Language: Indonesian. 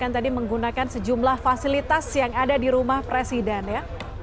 yang tadi menggunakan sejumlah fasilitas yang ada di rumah presiden ya